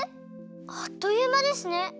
あっというまですね。